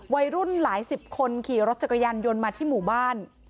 วัยรุ่นหลายสิบคนขี่รถจักรยานยนต์มาที่หมู่บ้าน